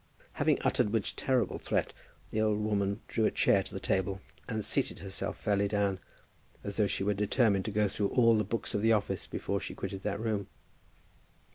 Having uttered which terrible threat, the old woman drew a chair to the table and seated herself fairly down, as though she were determined to go through all the books of the office before she quitted that room.